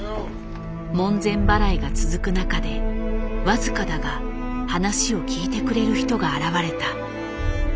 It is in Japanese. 門前払いが続く中で僅かだが話を聞いてくれる人が現れた。